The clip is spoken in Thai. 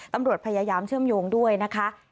ตำรวจพยายามเชื่อมโยงด้วยนะคะ